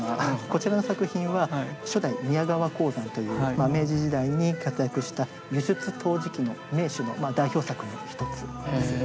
こちらの作品は初代宮川香山という明治時代に活躍した輸出陶磁器の名手の代表作の一つです。